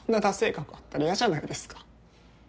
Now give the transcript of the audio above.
過去あったら嫌じゃないですか